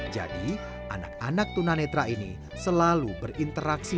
jadi anak anak tuna netra ini selalu berinteraksi